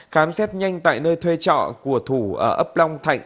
khám xét nhanh tại nơi thuê trọ của thủ ở ấp long thạnh